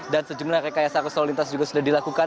dan sejumlah rekayasa arus lalu lintas juga sudah dilakukan